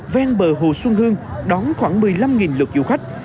ven bờ hồ xuân hương đón khoảng một mươi năm lượt du khách